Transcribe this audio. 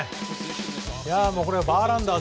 これはバーランダー。